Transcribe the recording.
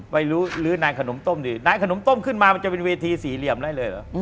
ไม่รู้ลื้อนายขนมต้มดีนายขนมต้มขึ้นมามันจะเป็นเวทีสี่เหลี่ยมได้เลยเหรอ